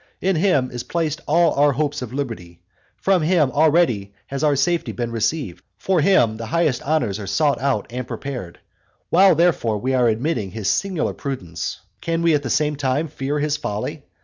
In him is placed all our hope of liberty, from him already has our safety been received, for him the highest honours are sought out and prepared. While therefore we are admiring his singular prudence, can we at the same time fear his folly?